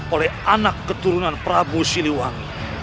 oleh anak keturunan prabu siliwangi